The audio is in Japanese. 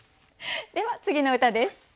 では次の歌です。